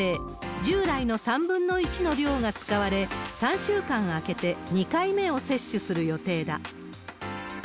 従来の３分の１の量が使われ、３週間空けて２回目を接種する予定だ。